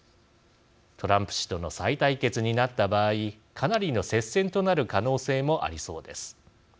トランプ氏との再対決になった場合かなりの接戦となる可能性もありそうです。